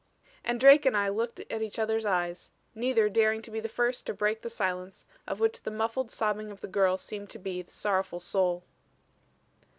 And Drake and I looked at each other's eyes, neither daring to be first to break the silence of which the muffled sobbing of the girl seemed to be the sorrowful soul.